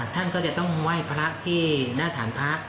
ท่านก็จะต้องไหว้พระที่หน้าฐานพระ